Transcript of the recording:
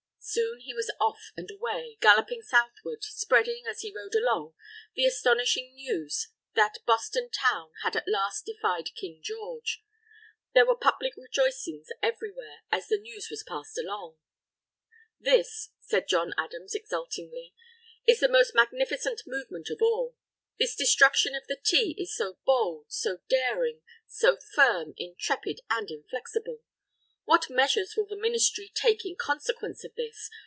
Soon he was off and away, galloping southward, spreading, as he rode along, the astonishing news that Boston Town had at last defied King George. There were public rejoicings everywhere, as the news was passed along. "This," said John Adams exultingly, "is the most magnificent movement of all!... This destruction of the tea is so bold, so daring, so firm, intrepid and inflexible!... What measures will the Ministry take in consequence of this?